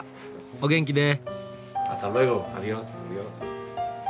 お元気で！